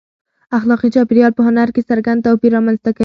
اخلاقي چاپېریال په هنر کې څرګند توپیر رامنځته کوي.